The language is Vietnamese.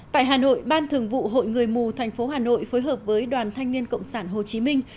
tại hà nội ban thường vụ hội người mù thành phố hà nội phối hợp với đoàn thanh niên cộng sản hồ chí minh